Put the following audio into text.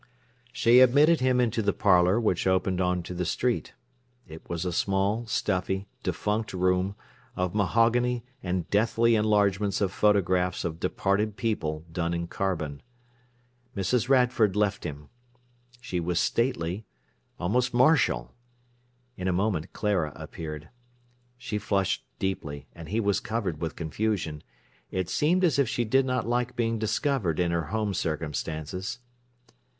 She admitted him into the parlour, which opened on to the street. It was a small, stuffy, defunct room, of mahogany, and deathly enlargements of photographs of departed people done in carbon. Mrs. Radford left him. She was stately, almost martial. In a moment Clara appeared. She flushed deeply, and he was covered with confusion. It seemed as if she did not like being discovered in her home circumstances.